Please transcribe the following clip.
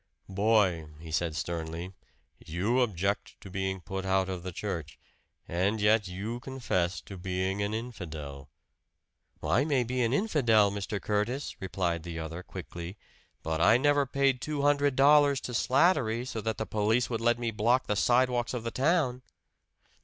"Boy," he said sternly, "you object to being put out of the church and yet you confess to being an infidel." "I may be an infidel, Mr. Curtis," replied the other, quickly; "but I never paid two hundred dollars to Slattery so that the police would let me block the sidewalks of the town."